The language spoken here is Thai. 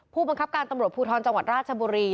ผู้บังคับการตำรวจภูทรจังหวัดราชบุรี